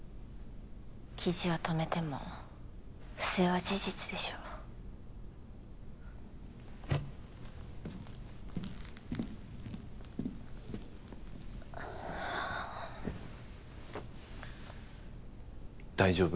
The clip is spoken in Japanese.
記事を止めても不正は事実でしょ大丈夫？